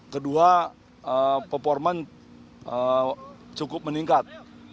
kedua performance cukup meningkat